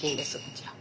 こちら。